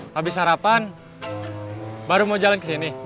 habis sarapan baru mau jalan kesini